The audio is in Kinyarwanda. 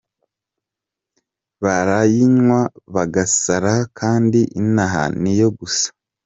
Barayinywa bagasara kandi inaha niyo gusa.